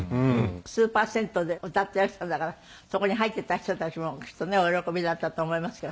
スーパー銭湯で歌ってらしたんだからそこに入ってた人たちもきっとねお喜びだったと思いますけど。